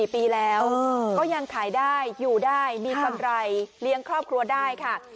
๔ปีแล้วก็ยังขายได้อยู่ได้มีกำไรเลี้ยงครอบครัวได้ค่ะ